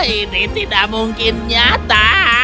ini tidak mungkin nyata